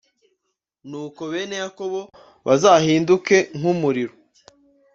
nuko bene yakobo bazahinduke nk’umuriro,